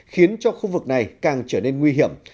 khiến cho khu vực này càng trở nên nguy hiểm